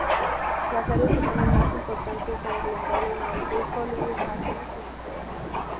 Las áreas urbanas más importantes son Glendale, North Hollywood, Van Nuys y Reseda.